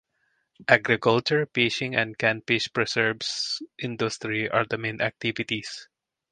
Agriculture, fishing and canned fish preserves industry are the main activities.